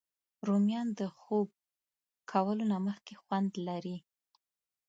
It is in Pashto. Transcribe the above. رومیان د خوب کولو نه مخکې خوند لري